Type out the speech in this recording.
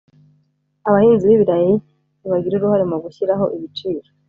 Abahinzi b’ibirayi ntibagira uruhare mu gushyiraho ibiciro